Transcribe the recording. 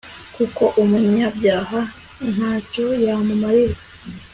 kuko umunyabyaha nta cyo yamumarira